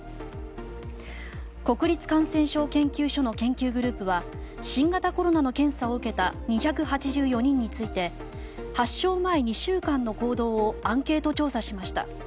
国立感染症研究所の研究グループは新型コロナの検査を受けた２８４人について発症前２週間の行動をアンケート調査しました。